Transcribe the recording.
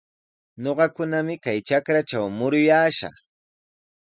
Ñuqakunami kay trakratraw muruyaashaq.